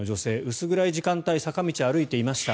薄暗い時間帯に坂道を歩いていました。